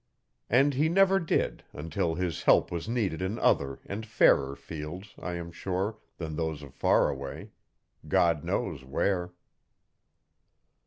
And he never did until his help was needed in other and fairer fields, I am sure, than those of Faraway God knows where.